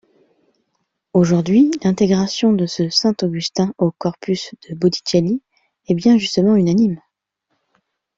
Aujourd'hui, l'intégration de ce Saint Augustin au corpus de Botticelli est bien justement unanime.